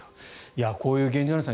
こういう現状なんですね